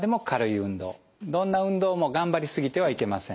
どんな運動も頑張りすぎてはいけません。